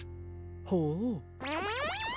ほう！